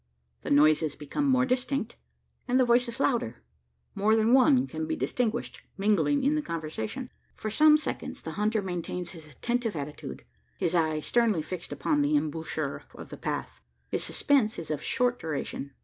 The noises become more distinct, and the voices louder. More than one can be distinguished mingling in the conversation. For some seconds, the hunter maintains his attentive attitude his eye sternly fixed upon the embouchure of the path. His suspense is of short duration.